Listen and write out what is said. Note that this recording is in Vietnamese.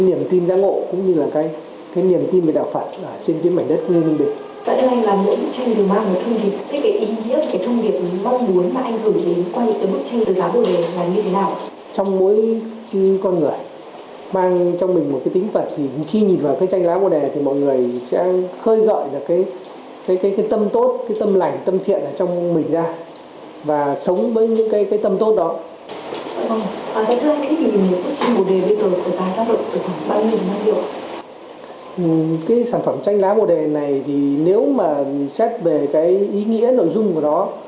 cái sản phẩm tranh lá bồ đề này thì nếu mà xét về cái ý nghĩa nội dung của nó